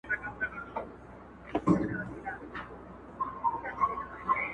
خو احمق سلطان جامې نه وې ليدلي!!